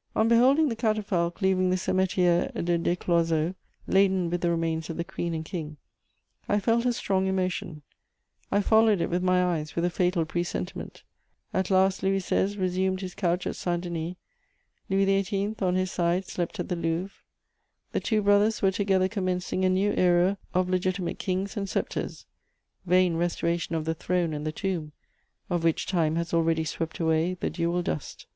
] On beholding the catafalque leaving the Cemetière de Desclozeaux[230b], laden with the remains of the Queen and King, I felt a strong emotion; I followed it with my eyes with a fatal presentiment. At last Louis XVI. resumed his couch at Saint Denis; Louis XVIII., on his side, slept at the Louvre. The two brothers were together commencing a new era of legitimate kings and sceptres: vain restoration of the throne and the tomb, of which time has already swept away the dual dust.